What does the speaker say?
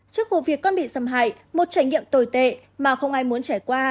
trước vụ việc con bị xâm hại một trải nghiệm tồi tệ mà không ai muốn trải qua